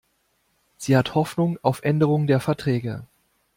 Sie hat Hoffnung auf Änderung der Verträge.